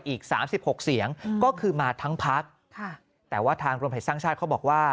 อีก๓๖เสียงก็คือมาทั้งพักแต่ว่าทางรวมไทยสร้างชาติเขาบอกว่า